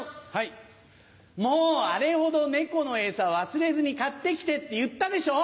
もうあれほど猫の餌忘れずに買って来てって言ったでしょ。